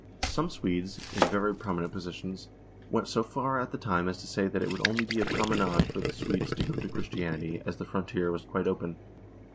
Some Swedes, in very pro minent positions, went so far at the time as to say that it would only be a " promenade " for the Swedes to go to Christiania,. as the frontier was quite open.